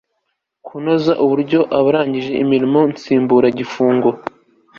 kunoza uburyo abarangije imirimo nsimbura gifungo